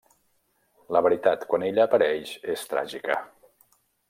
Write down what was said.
La veritat quan ella apareix és tràgica.